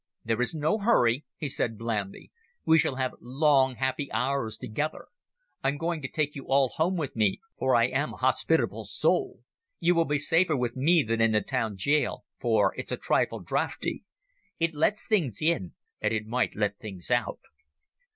"There is no hurry," he said blandly. "We shall have long happy hours together. I'm going to take you all home with me, for I am a hospitable soul. You will be safer with me than in the town gaol, for it's a trifle draughty. It lets things in, and it might let things out."